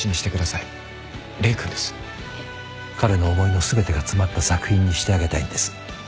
彼の思いの全てが詰まった作品にしてあげたいんです。